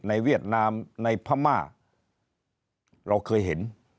ในต่างประเทศในเวียดนามในพม่าเราเคยเห็น